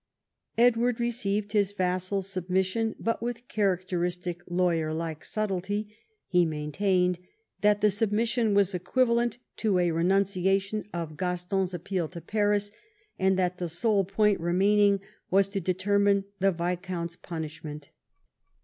Edward received his vassal's submission, but with characteristic lawyer like subtlety he main tained that the submission was equivalent to a renuncia tion of Gaston's appeal to Paris, and that the sole point remaining was to determine the viscount's punishment.